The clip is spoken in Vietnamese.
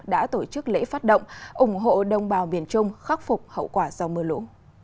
đã tổ chức lễ phát động ủng hộ đồng bào miền trung khắc phục hậu quả do mưa lũ